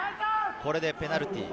これでペナルティー。